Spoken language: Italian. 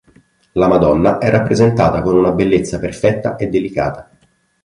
La Madonna è rappresentata con una bellezza perfetta e delicata.